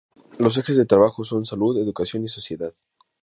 Los ejes de trabajo son: salud, educación y sociedad.